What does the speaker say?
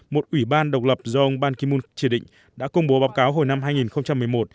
một ủy ban độc lập do ông ban ki moon chỉ định đã công bố báo cáo hồi năm hai nghìn một mươi một